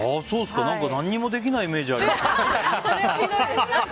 何もできないイメージありますけど。